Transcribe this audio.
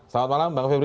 selamat malam bang febri